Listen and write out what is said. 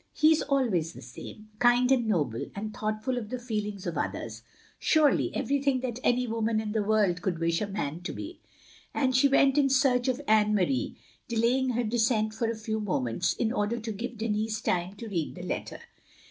"He is always the same — ^kind and noble, and thoughtful of the feelings of others. Surely everything that any woman in the world could wish a man to be. " And she went in search of Anne Marie; delay ing her descent for a few moments, in order to give Denis time to read the letter.